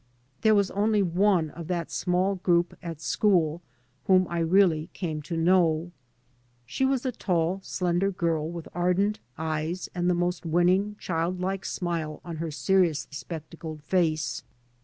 There was only one of that small group at school whom I really came to know. She was a tall slender girl with ardent eyes and the most winning childlike smile on her seri ous spectacled face.